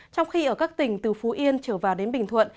trong khi ở các tỉnh từ phú yên trở vào đến bình thuận